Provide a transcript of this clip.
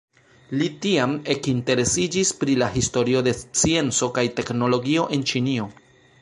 Li tiam ekinteresiĝis pri la historio de scienco kaj teknologio en Ĉinio.